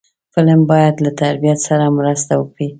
فلم باید له تربیت سره مرسته وکړي